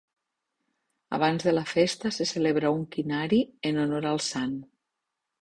Abans de la festa se celebra un quinari en honor al sant.